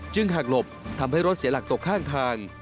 หากหลบทำให้รถเสียหลักตกข้างทาง